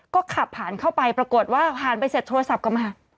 ก็ขับผ่านเข้าไปปรากฏว่าผ่านไปเสร็จโทรศัพท์ก็มา